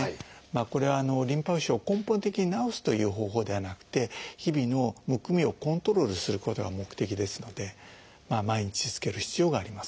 これはリンパ浮腫を根本的に治すという方法ではなくて日々のむくみをコントロールすることが目的ですので毎日着ける必要があります。